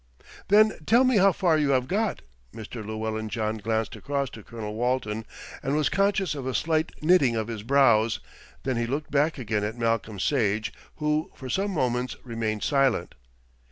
"Then tell me how far you have got." Mr. Llewellyn John glanced across to Colonel Walton, and was conscious of a slight knitting of his brows, then he looked back again at Malcolm Sage, who for some moments remained silent.